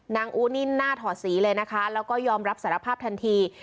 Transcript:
อูนิ่นหน้าถอดสีเลยนะคะแล้วก็ยอมรับสารภาพทันที